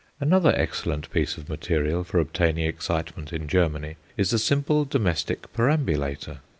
Another excellent piece of material for obtaining excitement in Germany is the simple domestic perambulator.